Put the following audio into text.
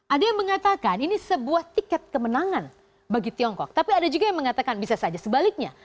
ada yang mengatakan ini sebuah tiket kemenangan bagi tiongkok tapi ada juga yang mengatakan bisa saja sebaliknya